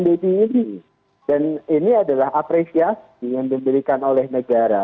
ini dan ini adalah apresiasi yang diberikan oleh negara